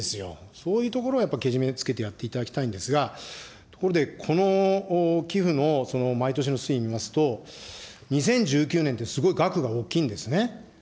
そういうところはやっぱりけじめつけてやっていただきたいと思うんですが、ところで、この寄付のその毎年の推移見ますと、２０１９年ってすごい額が大きいんですね。